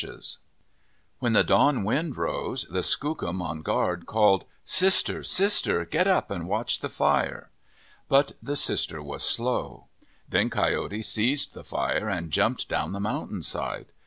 (MOUNT BAKER) OF THE PACIFIC NORTHWEST When the dawn wind rose, the Skookum on guard called :" Sister, sister, get up and watch the fire." But the sister was slow. Then Coyote seized the fire and jumped down the mountain side.